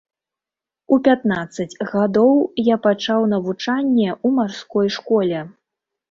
У пятнаццаць гадоў я пачаў навучанне ў марской школе.